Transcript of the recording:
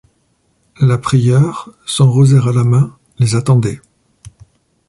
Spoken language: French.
La prieure, son rosaire à la main, les attendait.